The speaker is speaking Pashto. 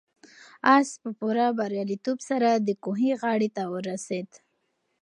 آس په پوره بریالیتوب سره د کوهي غاړې ته ورسېد.